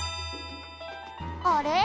「あれ？